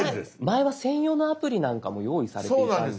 前は専用のアプリなんかも用意されていたんです。